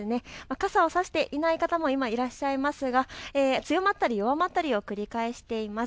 傘を差していない方も今いらっしゃいますが強まったり弱まったりを繰り返しています。